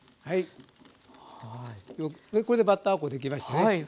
はいこれでバッター粉できましたね。